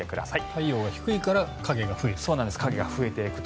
太陽が低いから影が増えている。